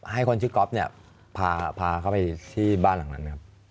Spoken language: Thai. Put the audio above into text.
ให้คนชื่อก๊อฟเนี่ยพาเขาไปที่บ้านหลังนั้นไหมครับ